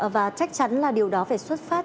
và chắc chắn là điều đó phải xuất phát